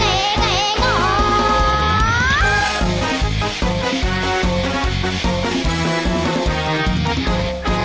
ให้ง้้อง